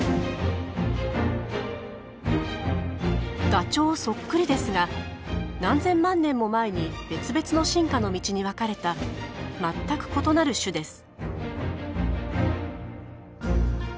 ダチョウそっくりですが何千万年も前に別々の進化の道に分かれた全く異なる種です。